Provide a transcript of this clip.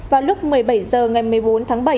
vào lúc một mươi bảy h ngày một mươi bốn tháng bảy